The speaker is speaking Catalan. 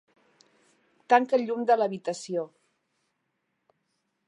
Tanca el llum de l'habitació.